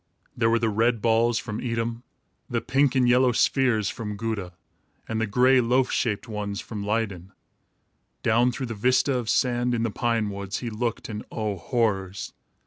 There were the red balls from Edam, the pink and yellow spheres from Gouda, and the gray loaf shaped ones from Leyden. Down through the vista of sand, in the pine woods, he looked, and oh, horrors!